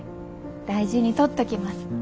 大事にとっときます。